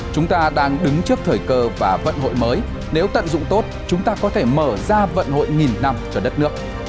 chúng ta đang đứng trước thời cơ và vận hội mới nếu tận dụng tốt chúng ta có thể mở ra vận hội nghìn năm cho đất nước